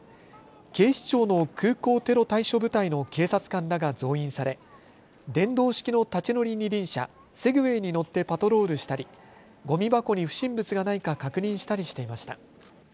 警視庁の空港テロ対処部隊の警察官らが増員され電動式の立ち乗り二輪車、セグウェイに乗ってパトロールしたりゴミ箱に不審物がないか確認したりしていました。